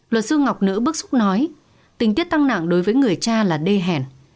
luật sư ngọc nữ bức xúc nói tình tiết tăng nặng đối với người cha là đê hèn